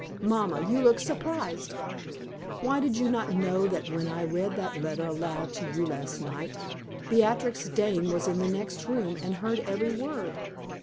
Mamma, you look surprised. Why, did you not know that when I read that letter aloud to you last night, Beatrix Dane was in the next room and heard every word?